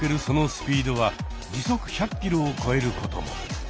そのスピードは時速１００キロを超えることも。